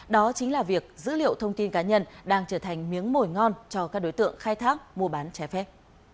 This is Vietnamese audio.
đó chính là việc dữ liệu thông tin cá nhân đang trở thành miếng mồi ngon cho các đối tượng khai thác mua bán trái phép